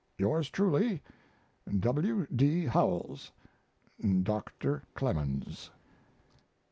Yours truly, W. D. HOWELLS. DR. CLEMENS.